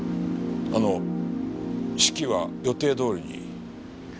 あの式は予定どおりに？